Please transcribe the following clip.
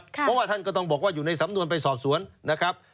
เพราะว่าท่านก็ต้องบอกว่าอยู่ในสำนวนไปสอบสวนนะครับ